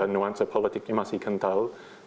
nuansa politiknya masih kental